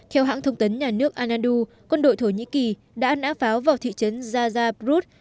theo hãng thông tấn nhà nước anandu quân đội thổ nhĩ kỳ đã nã pháo vào thị trấn jazzabrut